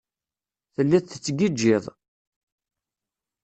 Telliḍ tettgijjiḍ.